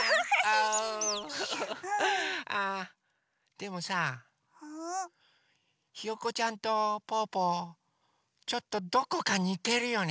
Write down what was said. でもさひよこちゃんとぽぅぽちょっとどこかにてるよね？